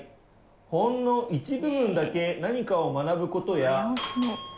ほんの一部分だけ何かを学ぶ事や。